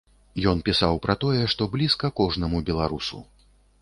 Ён пісаў пра тое, што блізка кожнаму беларусу.